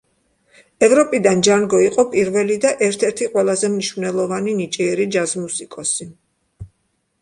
ევროპიდან ჯანგო იყო პირველი და ერთ-ერთი ყველაზე მნიშვნელოვანი ნიჭიერი ჯაზ-მუსიკოსი.